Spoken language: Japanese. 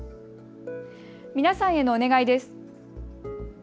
皆さんへのお願いです。